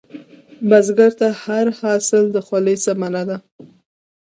بزګر ته هر حاصل د خولې ثمره ده